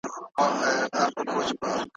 څنګه راغلو څنګه وزو دا به وساتو سبا ته